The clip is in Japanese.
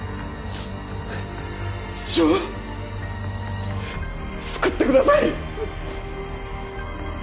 父を救ってください！